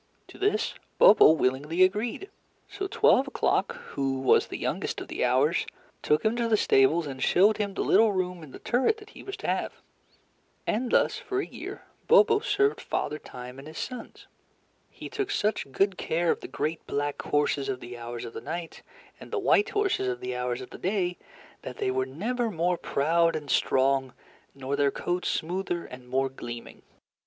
To this Bobo willingly agreed. So Twelve O'Clock, who was the youngest of the Hours, took him to the stables and showed him the little room in the turret that he was to have. And thus for a year Bobo served Father Time and his sons. He took such good care of the great black horses of the Hours of the Night, and the white horses of the Hours of the Day, that they were never more proud and strong, nor their coats smoother and more gleaming.